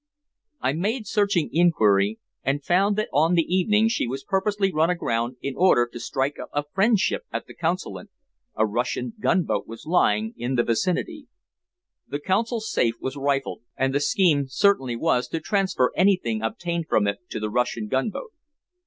I made searching inquiry, and found that on the evening she was purposely run aground in order to strike up a friendship at the Consulate, a Russian gunboat was lying in the vicinity. The Consul's safe was rifled, and the scheme certainly was to transfer anything obtained from it to the Russian gunboat."